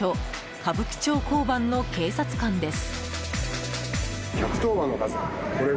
歌舞伎町交番の警察官です。